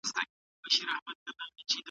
توري سرې وي د ورور ویني ترې څڅیږي